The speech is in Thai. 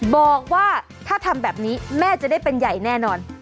บอกว่าถ้าทำแบบนี้แม่จะได้เป็นใหญ่แน่นอน